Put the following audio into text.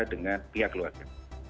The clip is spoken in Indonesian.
dengan pihak keluarga